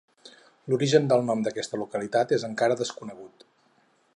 L'origen del nom d'aquesta localitat és encara desconegut.